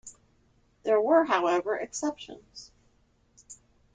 There were, however, exceptions.